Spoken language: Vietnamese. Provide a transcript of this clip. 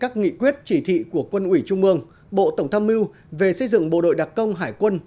các nghị quyết chỉ thị của quân ủy trung ương bộ tổng tham mưu về xây dựng bộ đội đặc công hải quân